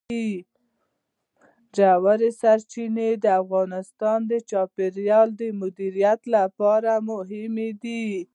ژورې سرچینې د افغانستان د چاپیریال د مدیریت لپاره مهم دي.